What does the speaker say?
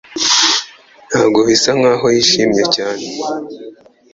Ntabwo bisa nkaho yishimye cyane